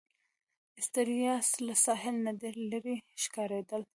سټریسا له ساحل نه ډېره لیري ښکاریدل.